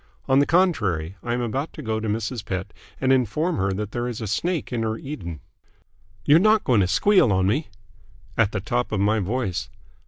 On the contrary, I am about to go to Mrs. Pett and inform her that there is a snake in her Eden." "You're not going to squeal on me?" "At the top of my voice."